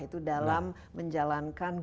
itu dalam menjalankan